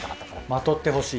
まとってほしい。